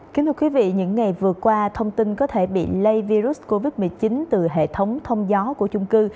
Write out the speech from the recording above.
kính thưa quý vị những ngày vừa qua thông tin có thể bị lây virus covid một mươi chín từ hệ thống thông gió của chung cư